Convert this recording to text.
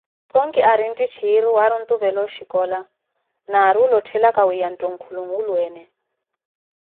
Thonki ari nttitthiru waari ontuvela oshicola naari olothelaka wiya nthunkulu nwulweene.